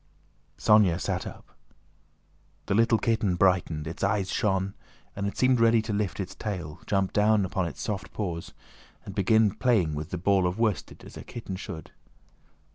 Sónya sat up. The little kitten brightened, its eyes shone, and it seemed ready to lift its tail, jump down on its soft paws, and begin playing with the ball of worsted as a kitten should.